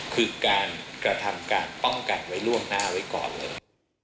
คือการกระทำการป้องกันไว้ล่วงหน้าไว้ก่อนเลย